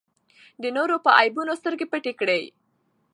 د نورو په عیبونو سترګې پټې کړئ.